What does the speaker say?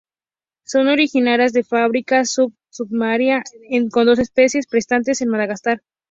Son originarias del África sub-sahariana, con dos especies presentes en Madagascar.